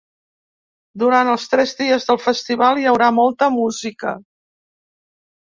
Durant els tres dies del festival, hi haurà molta música.